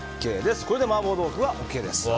これで麻婆豆腐はＯＫです。